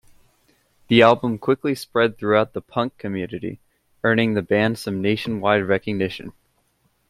The album quickly spread throughout the punk community, earning the band some nationwide recognition.